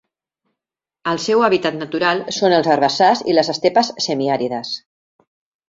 El seu hàbitat natural són els herbassars i les estepes semiàrides.